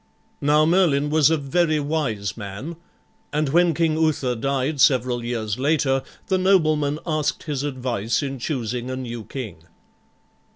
Now Merlin was a very wise man, and when King Uther died several years later the noblemen asked his advice in choosing a new king.